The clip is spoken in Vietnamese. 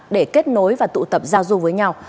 để kết nối và tụ tập giao du với nhau